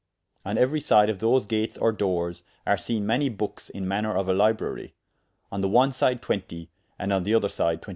On euery syde of those gates or doores, are seene many bookes in manner of a librarie, on the one syde 20, and on the other syde 25.